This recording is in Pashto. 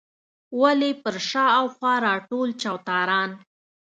ولې پر شا او خوا راټول چوتاران.